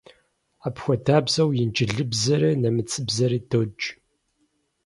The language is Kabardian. Апхуэдабзэу инджылызыбзэри нэмыцэбзэри додж.